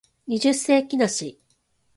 二十世紀梨